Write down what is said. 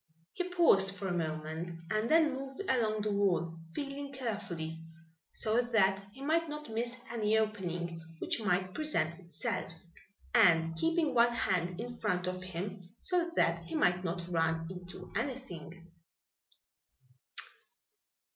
He paused for a moment and then moved along the wall, feeling carefully, so that he might not miss any opening which might present itself, and keeping one hand in front of him, so that he might not run into anything.